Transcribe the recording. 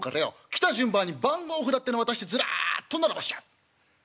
来た順番に番号札っての渡してずらっと並ばしちゃう。